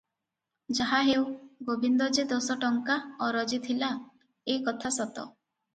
ଯାହାହେଉ, ଗୋବିନ୍ଦ ଯେ ଦଶଟଙ୍କା ଅରଜିଥିଲା, ଏ କଥା ସତ ।